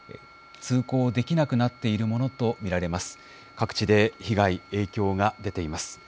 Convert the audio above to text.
通行できなくなっているものと見られます。